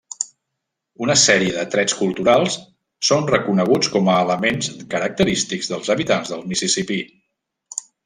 Una sèrie de trets culturals són reconeguts com a elements característics dels habitants del Mississipí.